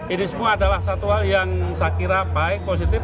ini semua adalah satu hal yang saya kira baik positif